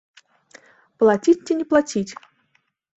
Плаціць ці не плаціць?